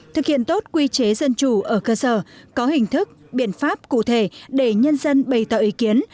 thực hiện tốt quy chế dân chủ ở cơ sở có hình thức biện pháp cụ thể để nhân dân bày tạo ý kiến